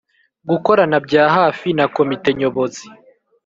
Gukorana bya hafi na komite nyobozi